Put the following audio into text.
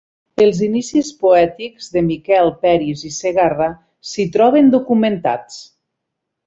Els inicis poètics de Miquel Peris i Segarra s’hi troben documentats.